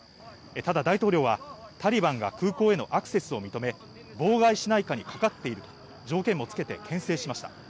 ただ大統領はタリバンが空港へのアクセスを認め、妨害しないかにかかっていると条件もつけて、けん制しました。